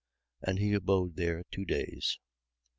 And he abode there two days.